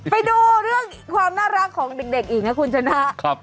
ไปดูเรื่องน่ารักของเด็กอีกหรือมั้ยครูชนะ